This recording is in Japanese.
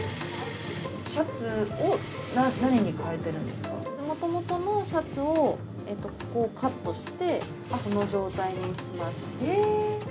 シャツを何に変えているんでもともとのシャツをここをカットして、この状態にします。